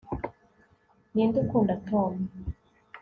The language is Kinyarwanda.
ninde ukunda tom